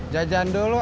jajan dulu atau lah